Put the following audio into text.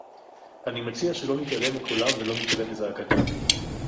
אני מציע שלא נתעלם מקולם ולא נתעלם מזעקתם